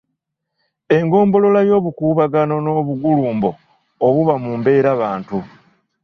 Engombolola y’obukuubagano n’obugulumbo obuba mu mbeerabantu.